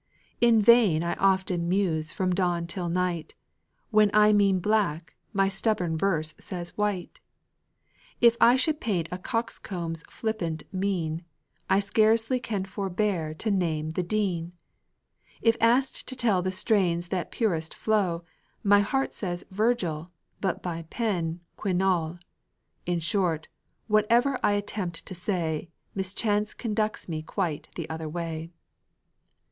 In vain I often muse from dawn till night: When I mean black, my stubborn verse says white; If I should paint a coxcomb's flippant mien, I scarcely can forbear to name the Dean; If asked to tell the strains that purest flow, My heart says Virgil, but my pen Quinault; In short, whatever I attempt to say, Mischance conducts me quite the other way.